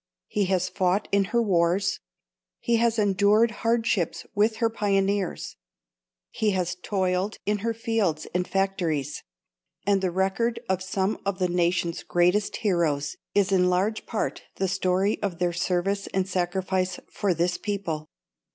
He has fought in her wars; he has endured hardships with her pioneers; he has toiled in her fields and factories; and the record of some of the nation's greatest heroes is in large part the story of their service and sacrifice for this people.